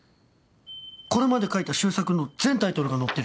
これまで書いた習作の全タイトルが載ってる。